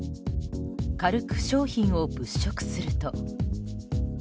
軽く商品を物色すると。